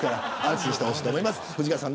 藤川さん